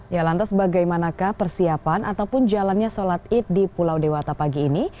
ya lantas bagaimanakah persiapan ataupun jalannya sholat id di pulau dewata pagi ini